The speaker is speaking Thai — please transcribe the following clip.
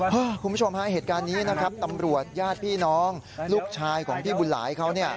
คุณผู้ชมฮะเหตุการณ์นี้นะครับตำรวจญาติพี่น้องลูกชายของพี่บุญหลายเขาเนี่ย